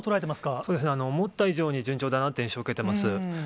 そうですね、思った以上に順調だなという印象を受けてます。